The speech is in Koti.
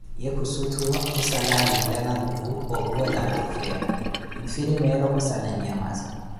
Ye khussutwa, khussala alila nakuuvu ophuwelakah ofea, nfirimeroh khussala an'nhamaza